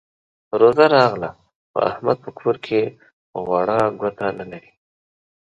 روژه راغله؛ خو احمد په کور کې غوړه ګوته نه لري.